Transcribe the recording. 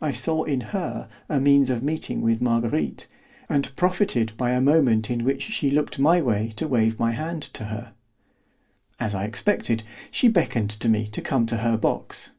I saw in her a means of meeting with Marguerite, and profited by a moment in which she looked my way to wave my hand to her. As I expected, she beckoned to me to come to her box.